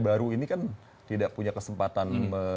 baru ini kan tidak punya kesempatan